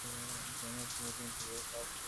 তিনি একটা মিটিং থেকে সবে এসেছেন।